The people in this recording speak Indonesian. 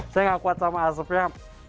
saya tidak kuat sama asapnya